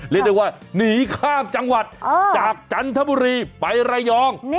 เรียกได้ว่าหนีข้ามจังหวัดจากจันทบุรีไประยอง